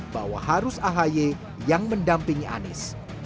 bahwa harus ahy yang mendampingi anies